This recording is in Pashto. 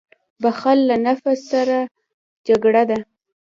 • بښل له نفس سره جګړه ده.